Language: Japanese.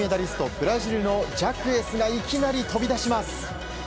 ブラジルのジャクエスがいきなり飛び出します。